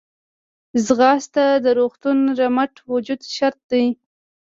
ځغاسته د روغ رمټ وجود شرط دی